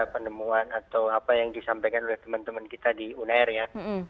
penemuan atau apa yang disampaikan oleh teman teman kita di unair ya